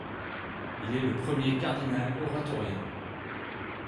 Il est le premier cardinal-oratorien.